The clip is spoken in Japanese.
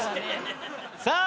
さあ